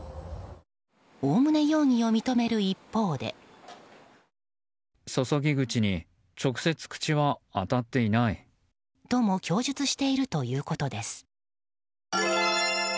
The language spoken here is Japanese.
おおむね容疑を認める一方で。とも供述しているということです。